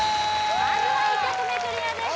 まずは１曲目クリアです